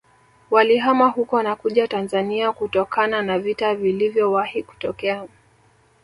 Walihama huko na kuja Tanzania kutokana na vita vilivyowahi kutokea